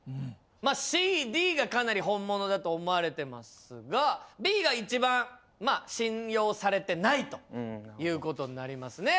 Ｃ・Ｄがかなり本物だと思われてますがＢが一番信用されてないということになりますね。